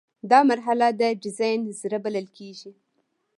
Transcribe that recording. دا مرحله د ډیزاین زړه بلل کیږي.